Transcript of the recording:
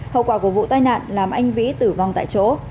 hậu quả của vụ tai nạn làm anh vĩ tử vong tại chỗ